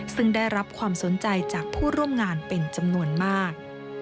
ซึ่งได้รับความสนใจจากผู้ร่วมงานเป็นจำนวนมาก